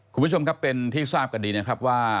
คุณผู้ชมครับเป็นที่ทราบกันดีนะครับว่า